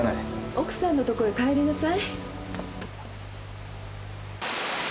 奥さんのとこへ帰りなさい。